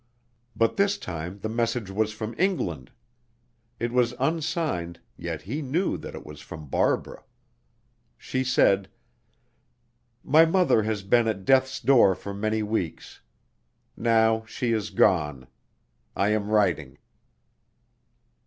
But this time the message was from England. It was unsigned, yet he knew that it was from Barbara. She said, "My mother has been at death's door for many weeks. Now she is gone. I am writing."